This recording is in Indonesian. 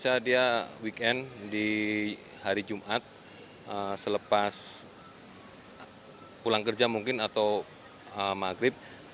biasanya dia weekend di hari jumat selepas pulang kerja mungkin atau maghrib